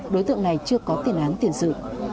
đối tượng này chưa có tiền án tiền sự